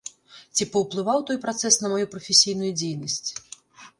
Ці паўплываў той працэс на маю прафесійную дзейнасць?